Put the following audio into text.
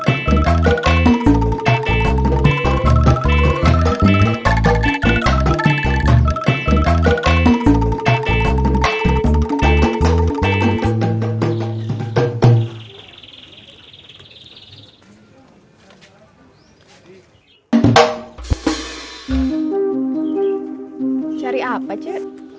syariah apa ce